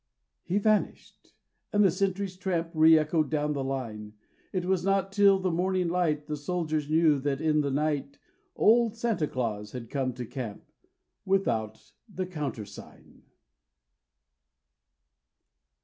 He vanished and the sentry's tramp Re echoed down the line. It was not till the morning light The soldiers knew that in the night Old Santa Claus had come to camp Without the countersign.